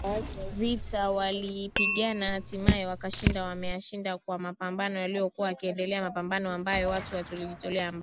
vita waliyipigana hatimaye wakashinda wamaeshinda kwa mapambano yaliyokuwa yakiendelea mapambano ambayo watu tulijitoa ambayo